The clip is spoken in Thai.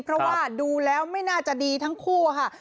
เพราะว่าดูแล้วไม่น่าจะดีทั้งคู่ค่ะ